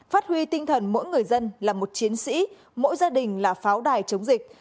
phát huy tinh thần mỗi người dân là một chiến sĩ mỗi gia đình là pháo đài chống dịch